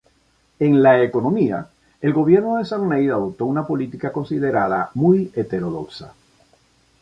En la economía, el gobierno de Sarney adoptó una política considerada muy heterodoxa.